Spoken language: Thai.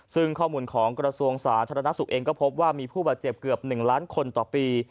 ซึ่งข้อมูลของกระทรวงสาธารณสุขเองก็พบว่ามีผู้บาดเจ็บเกือบ๑ล้านคนต่อปี